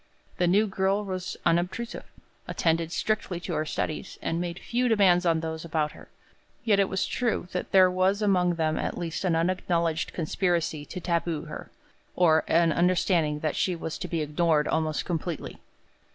The new girl was unobtrusive, attended strictly to her studies, and made few demands on those about her; yet it was true that there was among them at least an unacknowledged conspiracy to taboo her, or an understanding that she was to be ignored almost completely.